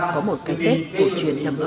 có một cái tết cuộc chuyện nằm ấm an vui